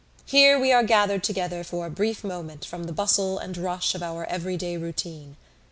Here we are gathered together for a brief moment from the bustle and rush of our everyday routine.